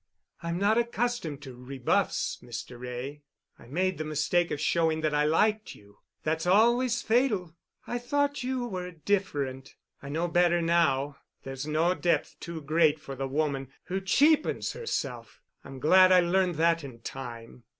I'm not accustomed to rebuffs, Mr. Wray. I made the mistake of showing that I liked you. That's always fatal, I thought you were different. I know better now. There's no depth too great for the woman who cheapens herself—I'm glad I learned that in time."